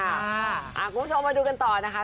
ค่ะอ่ากลุ่มชมมาดูกันต่อนะคะ